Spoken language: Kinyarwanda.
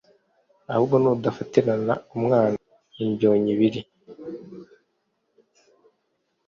ahubwo nudafatirana umwana ibyonnyi biri